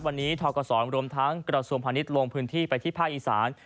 วันนี้ทกศรวมทั้งกระทรวงพาณิชย์ลงพื้นที่ไปที่ภาคอีสาน